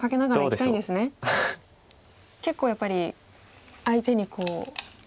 結構やっぱり相手にこう。